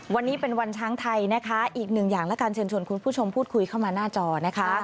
วันนี้เป็นวันช้างไทยนะคะอีกหนึ่งอย่างละกันเชิญชวนคุณผู้ชมพูดคุยเข้ามาหน้าจอนะคะ